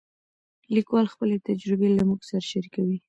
لیکوال خپلې تجربې له موږ سره شریکوي.